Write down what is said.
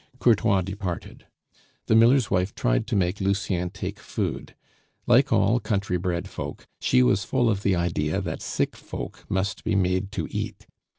Courtois departed. The miller's wife tried to make Lucien take food; like all country bred folk, she was full of the idea that sick folk must be made to eat.